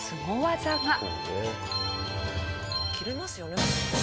切れますよね。